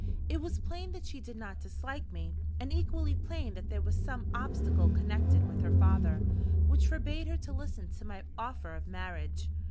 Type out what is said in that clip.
It was plain that she did not dislike me, and equally plain that there was some obstacle connected with her father, which forbade her to listen to my offer of marriage.